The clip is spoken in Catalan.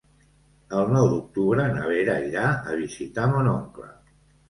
El nou d'octubre na Vera irà a visitar mon oncle.